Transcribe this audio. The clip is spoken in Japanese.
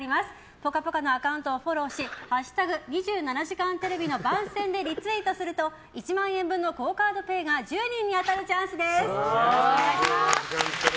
「ぽかぽか」のアカウントをフォローして「＃２７時間テレビの番宣」でリツイートすると１万円分のＱＵＯカードが１０名に当たるチャンスです。